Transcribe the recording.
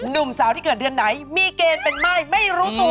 หนุ่มสาวที่เกิดเดือนไหนมีเกณฑ์เป็นไม่ไม่รู้ตัว